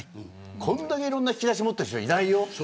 これだけいろんな引き出し持っている人はいないよ。